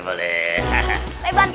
lo bantuin gak pakde